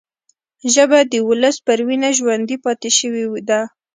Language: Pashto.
ژبه د ولس پر وینه ژوندي پاتې شوې ده